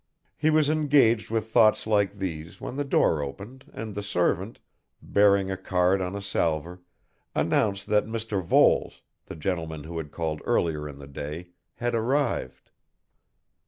He was engaged with thoughts like these when the door opened and the servant, bearing a card on a salver, announced that Mr. Voles, the gentleman who had called earlier in the day, had arrived.